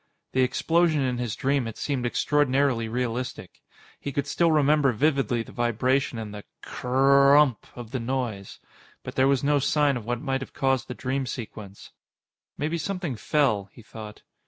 The explosion in his dream had seemed extraordinarily realistic. He could still remember vividly the vibration and the cr r r ump! of the noise. But there was no sign of what might have caused the dream sequence. Maybe something fell, he thought.